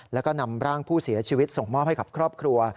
แล้วก็นำร่างผู้เสียชีวิตส่งมอบให้กับครอบครัว